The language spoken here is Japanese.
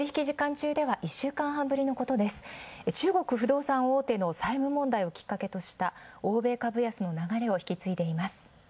中国不動産大手の債務問題をきっかけにした欧米株安の流れを引き継いでいます。